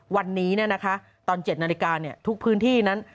วันนี้ตอน๗นาฬิกาทุกพื้นที่นั้น